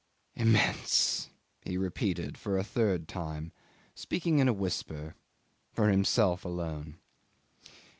"Immense!" he repeated for a third time, speaking in a whisper, for himself alone.